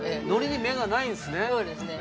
◆海苔に目がないんですね。